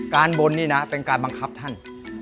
บนนี่นะเป็นการบังคับท่าน